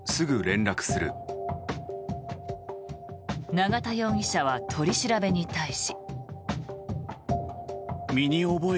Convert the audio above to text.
永田容疑者は取り調べに対し。